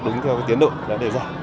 đúng theo tiến độ đã đề ra